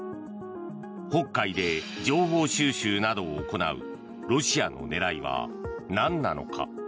北海で情報収集などを行うロシアの狙いはなんなのか。